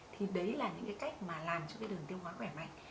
thì đấy là những cách làm cho đường tiêu hóa khỏe mạnh